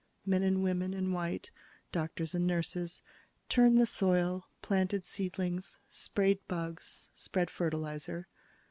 Men and women in white, doctors and nurses, turned the soil, planted seedlings, sprayed bugs, spread fertilizer.